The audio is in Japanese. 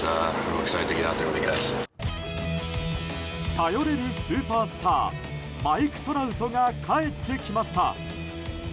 頼れるスーパースターマイク・トラウトが帰ってきました。